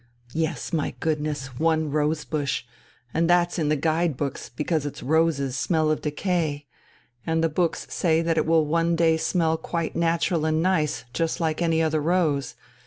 "Yes, my goodness one rose bush. And that's in the guide books, because its roses smell of decay. And the books say that it will one day smell quite natural and nice, just like any other rose.